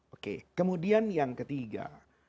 oke kemudian yang ketiga